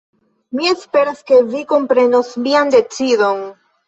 Mi esperas ke vi komprenos mian decidon.